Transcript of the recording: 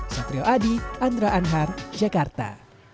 satrio adi andra anhar jakarta